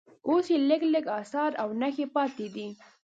اوس یې لږ لږ اثار او نښې پاتې دي.